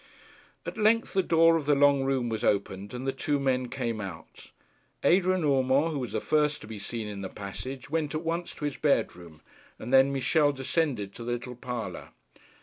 At length the door of the long room was opened, and the two men came out. Adrian Urmand, who was the first to be seen in the passage, went at once to his bedroom, and then Michel descended to the little parlour.